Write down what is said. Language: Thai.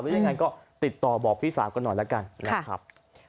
หรือยังไงก็ติดต่อบอกพี่สาวหน่อยนะครับ